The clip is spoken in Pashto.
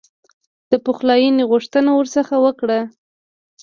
د پخلایني غوښتنه ورڅخه وکړه.